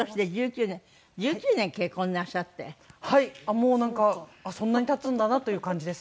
もうなんかそんなに経つんだなという感じです。